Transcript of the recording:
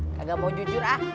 kagak mau jujur ah